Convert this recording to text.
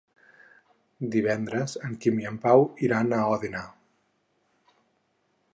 Divendres en Quim i en Pau iran a Òdena.